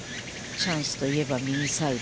チャンスといえば、右サイド。